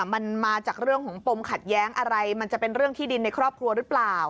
มันมาจากเรื่องของปมขัดแย้งอะไรมันจะเป็นเรื่องที่ดินในครอบครัวหรือเปล่า